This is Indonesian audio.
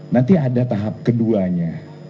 nanti ada tahap keduanya